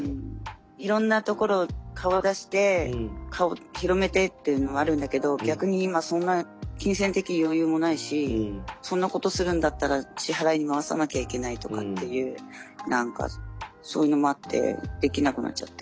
いろんなところ顔出して顔広めてというのもあるんだけど逆に今そんな金銭的余裕もないしそんなことするんだったら支払いに回さなきゃいけないとかっていう何かそういうのもあってできなくなっちゃって。